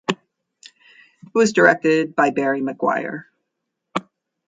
It was directed by Barry Maguire.